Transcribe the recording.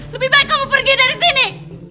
lebih baik kamu pergi dari sini